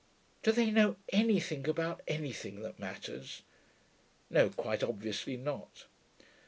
Do they know anything about anything that matters? No, quite obviously not.'